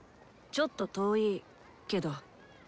ちょっと遠いけど。